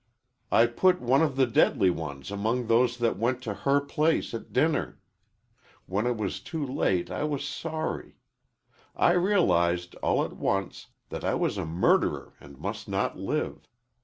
I put one of the deadly ones among those that went to her place at dinner. When it was too late I was sorry. I realized, all at once, that I was a murderer and must not live.